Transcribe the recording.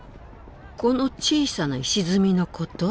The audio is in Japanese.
この小さな石積みのこと？